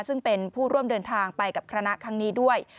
ซึ่งเป็นผู้ร่วมเดินทางไปกับคณะครั้งนี้ด้วย